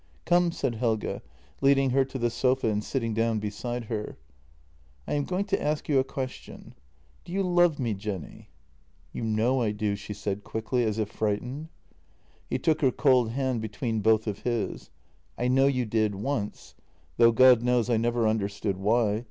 " Come," said Helge, leading her to the sofa and sitting down beside her. " I am going to ask you a question. Do you love me, Jenny? "" You know I do," she said quickly, as if frightened. He took her cold hand between both of his: " I know you did once — though, God knows, I never understood why.